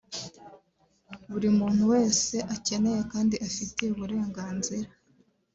buri muntu wese akeneye kandi afitiye uburenganzira